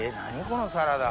このサラダ。